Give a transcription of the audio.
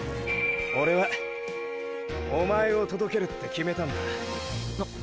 オレはおまえを届けるって決めたんだ。っ！